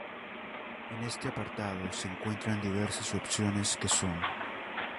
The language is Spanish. En este apartado, se encuentran diversas opciones, que son